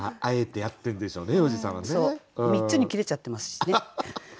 あえてやってるでしょうね要次さんはね。３つに切れちゃってますしね。